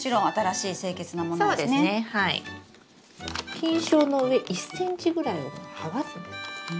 菌床の上１ｃｍぐらいを剥がすんです。